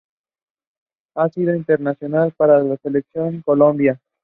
Ha sido internacional para la Selección Colombia.